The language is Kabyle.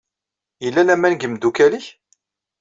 Yella laman deg imdukal-ik?